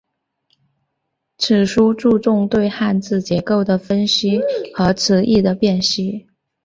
此书注重对汉字结构的分析和词义的辨析。